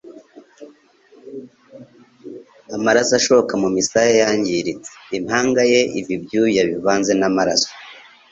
amaraso ashoka mu misaya yangiritse: impanga ye iva ibyuya bivanze n'amaraso.